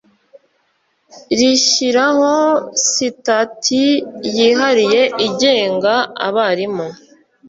rishyiraho sitati yihariye igenga abarimu